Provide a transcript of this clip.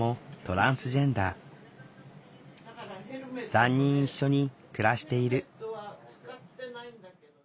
３人一緒に暮らしている。